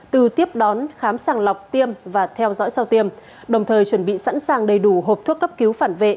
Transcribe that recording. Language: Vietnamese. từ tiếp đón khám sàng lọc tiêm và theo dõi sau tiêm đồng thời chuẩn bị sẵn sàng đầy đủ hộp thuốc cấp cứu phản vệ